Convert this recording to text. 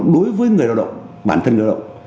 đối với người lao động bản thân lao động